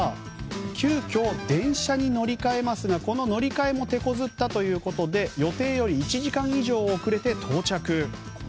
急きょ、電車に乗り替えますがこの乗り換えも手こずったということで予定より１時間以上遅れて到着。